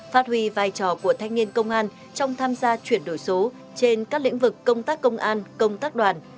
phát huy vai trò của thanh niên công an trong tham gia chuyển đổi số trên các lĩnh vực công tác công an công tác đoàn